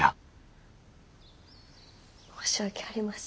申し訳ありません。